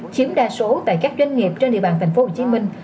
chiếm đa số tại các doanh nghiệp trên địa bàn thành phố hồ chí minh